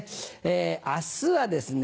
明日はですね